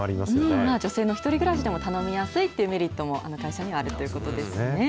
女性の１人暮らしでも頼みやすいというメリットも、会社にはあるということですね。